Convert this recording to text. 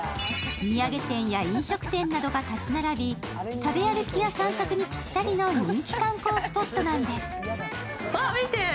土産店や飲食店などが立ち並び、食べ歩きや散策にぴったりの人気観光スポットなんです。